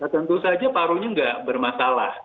tentu saja parunya tidak bermasalah